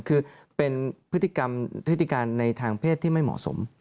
คือเป็นพฤติกรรมพฤติการในทางเพศที่ไม่เหมาะสม